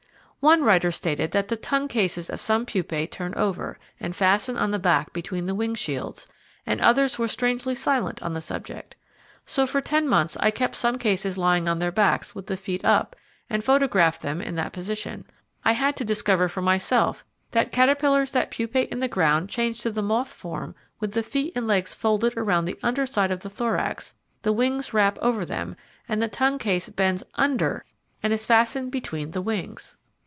One writer stated that the tongue cases of some pupae turn over and fasten on the back between the wing shields, and others were strangely silent on the subject. So for ten months I kept some cases lying on their backs with the feet up and photographed them in that position. I had to discover for myself that caterpillars that pupate in the ground change to the moth form with the feet and legs folded around the under side of the thorax, the wings wrap over them, and the tongue case bends UNDER and is fastened between the wings.